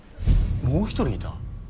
もう１人いた？